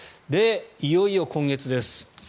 いよいよ今月です。